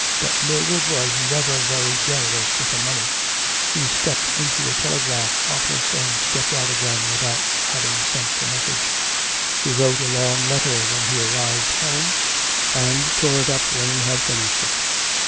But Mildred was never very generous with her money. ... He stepped into a telegraph office and stepped out again without having sent a message. He wrote a long letter when he arrived home, and tore it up when he had finished it.